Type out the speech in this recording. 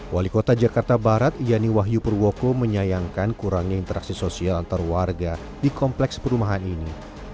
wali kota jakarta barat yani wahyu purwoko menyayangkan kurangnya interaksi sosial antar warga di kompleks perumahan ini